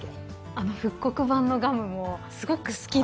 あの復刻版のガムもすごく好きで。